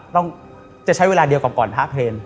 จะใช้เวลาเดียวกับก่อนท้าเทรนด์